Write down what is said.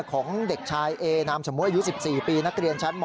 ของเด็กชายเอนามสมมุติอายุ๑๔ปีนักเรียนชั้นม๔